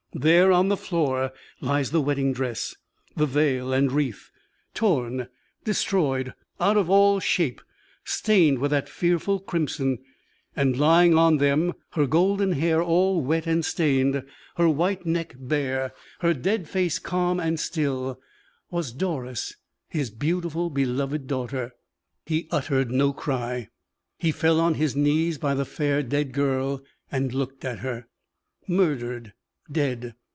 There on the floor lies the wedding dress, the veil and wreath torn, destroyed out of all shape stained with that fearful crimson; and lying on them, her golden hair all wet and stained, her white neck bare, her dead face calm and still, was Doris his beautiful, beloved daughter. He uttered no cry; he fell on his knees by the fair, dead girl, and looked at her. Murdered! dead!